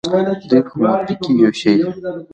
دوی په مورفي کې یو شی دي.